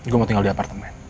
gue mau tinggal di apartemen